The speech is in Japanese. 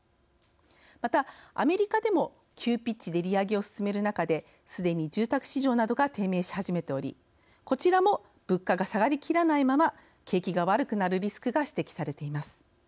また、アメリカでも急ピッチで利上げを進める中ですでに住宅市場などが低迷しはじめており、こちらも物価が下がりきらないまま景気が悪くなるリスクが指摘されています。